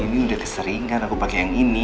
ini udah keseringan aku pakai yang ini